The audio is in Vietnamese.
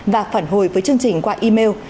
và phản hồi với chương trình qua email